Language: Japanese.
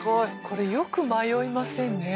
これよく迷いませんね